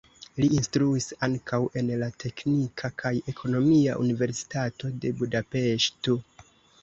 Li instruis ankaŭ en la Teknika kaj Ekonomia Universitato de Budapeŝto.